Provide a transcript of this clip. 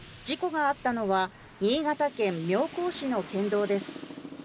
事故があったのは新潟県妙高市の県道です。